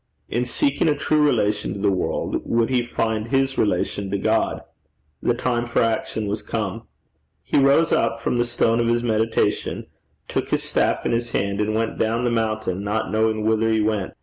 In seeking a true relation to the world, would he find his relation to God? The time for action was come. He rose up from the stone of his meditation, took his staff in his hand, and went down the mountain, not knowing whither he went.